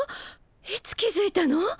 いつ気づいたの？